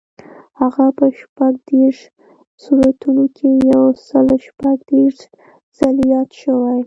هغه په شپږ دېرش سورتونو کې یو سل شپږ دېرش ځلي یاد شوی.